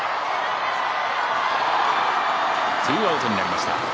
ツーアウトになりました。